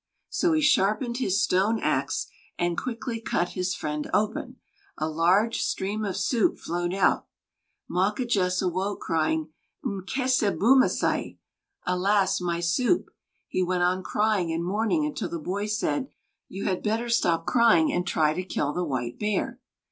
So he sharpened his stone axe and quickly cut his friend open; a large stream of soup flowed out. Mawquejess awoke, crying: "M'Kessābūmisā!" (Alas, my soup!) He went on crying and mourning until the boy said: "You had better stop crying and try to kill the white bear."